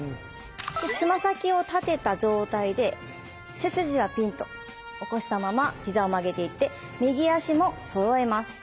つま先を立てた状態で背筋はぴんと起こしたまま膝を曲げていって右足もそろえます。